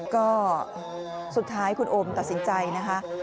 ก็สุดท้ายคุณโอมตัดสินใจนะคะ